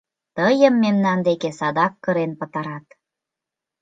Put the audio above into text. — Тыйым мемнан дене садак кырен пытарат...